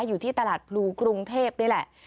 อยู่ที่ตลาดพลูกรุงเทพนี่แหละ